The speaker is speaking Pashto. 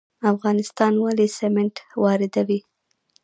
افغانستان ولې سمنټ واردوي؟